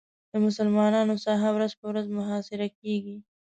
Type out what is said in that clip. د مسلمانانو ساحه ورځ په ورځ محاصره کېږي.